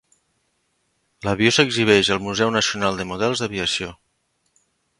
L'avió s'exhibeix al Museu Nacional de Models d'Aviació.